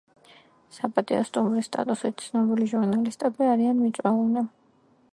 საპატიო სტუმრის სტატუსით ცნობილი ჟურნალისტები არიან მიწვეულნი.